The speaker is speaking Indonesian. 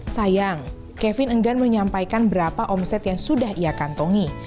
sayang kevin enggan menyampaikan berapa omset yang sudah ia kantongi